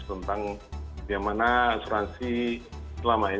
tentang bagaimana asuransi selama ini